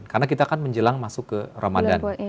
karena kita kan menjelang masuk ke ramadan